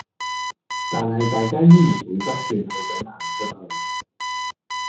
但係大家依然會不斷係咁行出去